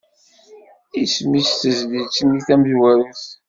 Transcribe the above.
Isem-is tezlit-nni tamezwarut?